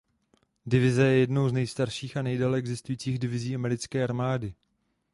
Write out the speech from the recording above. Divize je jednou z nejstarších a nejdéle existujících divizí americké armády.